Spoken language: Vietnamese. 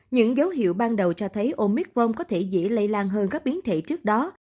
những dấu hiệu ban đầu cho thấy omicron có thể dễ lây lan hơn các biến thể trước đó